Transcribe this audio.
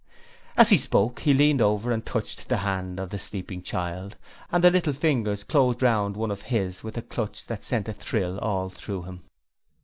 As he spoke he leaned over and touched the hand of the sleeping child and the little fingers closed round one of his with a clutch that sent a thrill all through him.